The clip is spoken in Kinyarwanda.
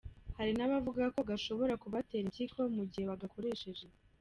Hari n’abavuga ko gashobora kubatera impyiko mugihe bagakoresheje.